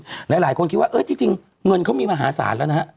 หลายหลายคนคิดว่าเออจริงจริงเงินเขามีมหาศาลแล้วนะฮะ